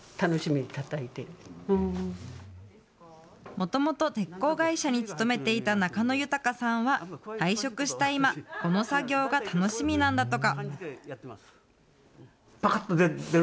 もともと鉄鋼会社に勤めていた中野豊さんは、退職した今、この作業が楽しみなんだとか。